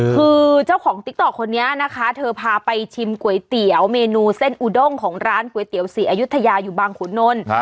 คือเจ้าของติ๊กต๊อกคนนี้นะคะเธอพาไปชิมก๋วยเตี๋ยวเมนูเส้นอูด้งของร้านก๋วยเตี๋ยวศรีอายุทยาอยู่บางขุนนล